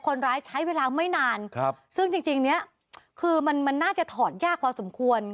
คนร้ายใช้เวลาไม่นานซึ่งจริงเนี่ยคือมันน่าจะถอนยากความสมควร